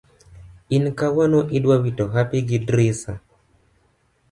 in kawuono idwa wito hapi gi drisa?